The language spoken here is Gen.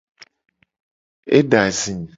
Eda zi.